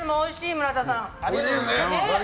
村田さん。